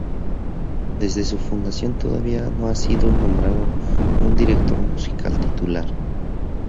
Desde su fundación, todavía no ha sido nombrado un director musical titular.